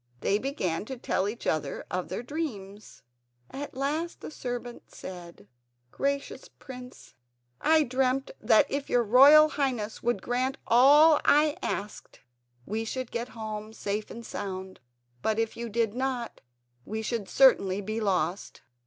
They began to tell each other their dreams. At last the servant said: "Gracious prince, I dreamt that if your Royal Highness would grant all I asked we should get home safe and sound; but if you did not we should certainly be lost.